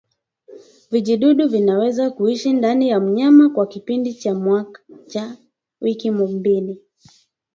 Vijidudu vinaweza kuishi ndani ya mnyama kwa kipindi hata cha wiki mbili